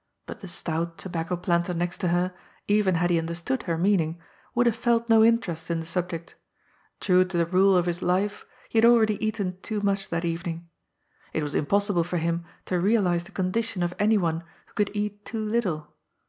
'* But the stout tobacco planter next to her, even had he understood her meaning, would have felt no interest in the • subject. True to the rule of his life, he had already eaten ^' too much that evening. It was impossible for him to real ize the condition of anyone who could eat too little.